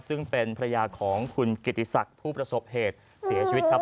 ซึ่งเป็นภรรยาของคุณกิติศักดิ์ผู้ประสบเหตุเสียชีวิตครับ